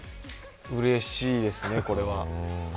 うれしいですね、これは。